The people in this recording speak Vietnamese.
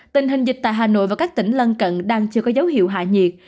tình hình dịch tại hà nội và các tỉnh lân cận đang chưa có dấu hiệu hạ nhiệt